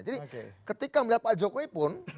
jadi ketika melihat pak jokowi pun